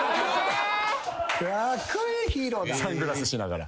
サングラスしながら。